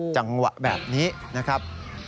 จังหวะแบบนี้นะครับ